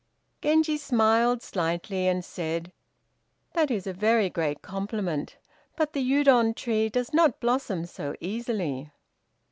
Genji smiled slightly, and said: "That is a very great compliment; but the Udon tree does not blossom so easily."